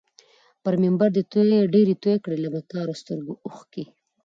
پر منبر دي ډیري توی کړې له مکارو سترګو اوښکي